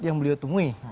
yang beliau temui